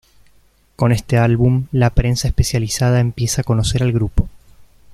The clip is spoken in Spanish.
Con este álbum la prensa especializada empieza a conocer al grupo.